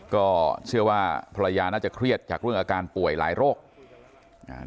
ก็เชื่อว่าภรรยาน่าจะเครียดจากเรื่องอาการป่วยหลายโรคอ่า